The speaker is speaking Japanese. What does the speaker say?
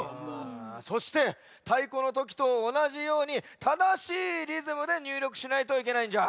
そしてたいこのときとおなじようにただしいリズムでにゅうりょくしないといけないんじゃ。